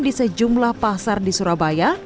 di sejumlah pasar di surabaya